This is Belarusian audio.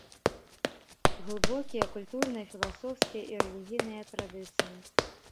Глыбокія культурныя, філасофскія і рэлігійныя традыцыі.